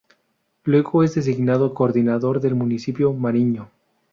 Luego es designado coordinador del municipio Mariño.